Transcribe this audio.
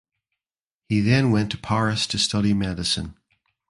He then went to Paris to study medicine.